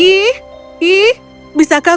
bisakah kau pergi dan mendapatkan brokat itu untuk ibu